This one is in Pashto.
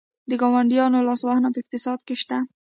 د ګاونډیانو لاسوهنه په اقتصاد کې شته؟